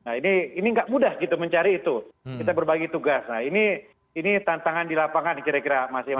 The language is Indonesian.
nah ini nggak mudah gitu mencari itu kita berbagi tugas nah ini tantangan di lapangan kira kira mas imam